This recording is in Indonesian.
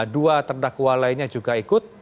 dua terdakwa lainnya juga ikut